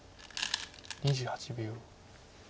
２８秒。